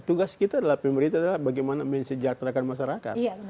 tugas kita adalah bagaimana mensejahterakan masyarakat